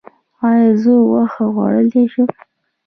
ایا زه غوښه خوړلی شم؟